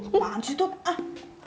ban sih tuh ah